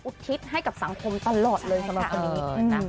อุทิศให้กับสังคมตลอดเลยค่ะ